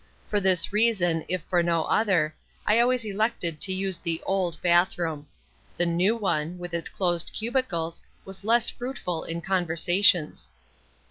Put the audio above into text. For this reason, if for no other, I always elected to use the "old" bathroom: the "new" one, with its closed cubicles, was less fruitful in conversations.